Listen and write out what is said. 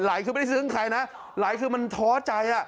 คือไม่ได้ซึ้งใครนะไหลคือมันท้อใจ